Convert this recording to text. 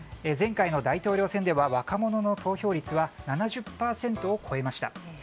前回の大統領選では若者の投票率は７０％を超えました。